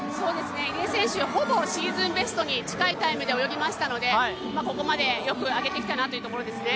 入江選手はほぼシーズンベストに近いタイムでしたのでここまでよく上げてきたなというところですね。